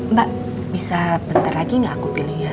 mbak bisa bentar lagi gak aku pilih ya